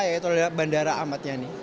yaitu adalah bandara amatnya